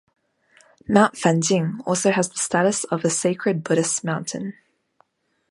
Mount Fanjing also has the status of a sacred Buddhist mountain.